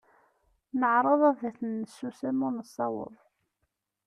Neɛreḍ ad ten-nessusem, ur nessaweḍ.